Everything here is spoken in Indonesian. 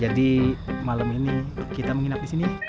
jadi malam ini kita menginap di sini